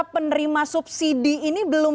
penerima subsidi ini belum